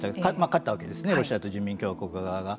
勝ったわけですねロシアと人民共和国側が。